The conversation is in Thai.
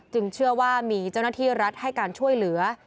เชื่อว่ามีเจ้าหน้าที่รัฐให้การช่วยเหลือ